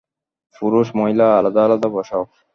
পুরুষ-মহিলা আলাদা আলাদা বসাও।